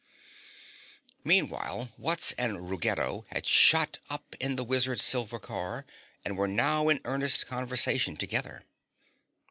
Meanwhile, Wutz and Ruggedo had shot up in the wizard's silver car and were now in earnest conversation together.